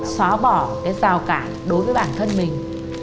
xóa bỏ cái rào cản đối với bản thân mình